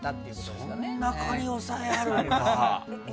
そんな仮押さえあるんだ。